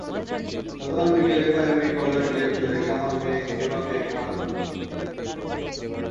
গতকাল বিকেলে পারিবারিক কলহের জের ধরে কামাল মিয়া স্ত্রী পাপিয়াকে মারধর করেন।